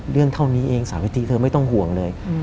เรื่องเท่านี้เองสาวิตรีเธอไม่ต้องห่วงเลย